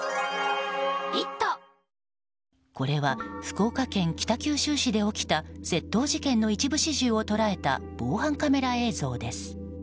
これは福岡県北九州市で起きた窃盗事件の一部始終を捉えた防犯カメラ映像です。